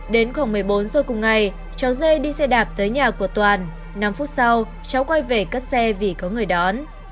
đến khoảng một mươi bốn giờ cùng ngày cháu dê đi xe đạp tới nhà của toàn năm phút sau cháu quay về cất xe vì có người đón